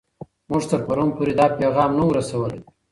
موږ تر پرون پورې دا پیغام نه و رسوولی.